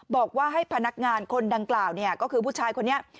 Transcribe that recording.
บอกว่าให้พนักงานคนดังกล่าวก็คือผู้ชายคนนี้